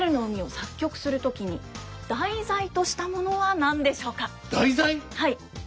何でしょう？